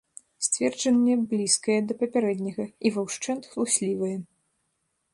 Сцверджанне блізкае да папярэдняга і ва ўшчэнт хлуслівае.